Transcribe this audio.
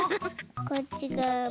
こっちがわも。